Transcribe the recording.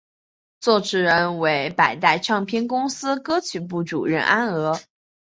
作词人为百代唱片公司歌曲部主任安娥。